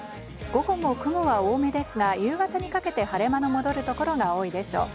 午後も雲が多めですが、夕方にかけて晴れ間の戻るところが多いでしょう。